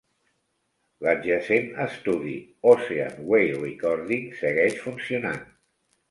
L'adjacent estudi Ocean Way Recording segueix funcionant.